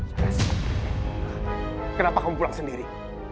kenapa kamu pulang sendiri